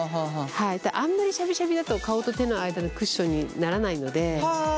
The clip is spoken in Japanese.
あんまりシャビシャビだと顔と手の間のクッションにならないので。